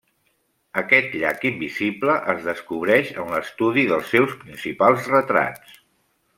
Aquest llaç invisible es descobreix en l'estudi dels seus principals retrats.